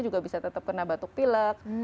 juga bisa tetap kena batuk pilek